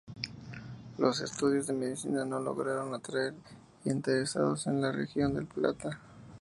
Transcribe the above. Los estudios de medicina no lograron atraer interesados en la región del Plata.